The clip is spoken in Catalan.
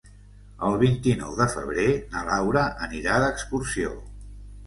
El vint-i-nou de febrer na Laura anirà d'excursió.